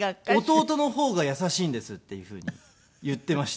「弟の方が優しいんです」っていうふうに言っていまして。